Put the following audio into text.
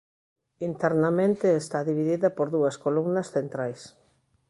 Internamente está dividida por dúas columnas centrais.